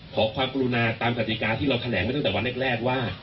ขอความกรุณาตามกติกาที่เราแถลงไว้ตั้งแต่วันแรกว่า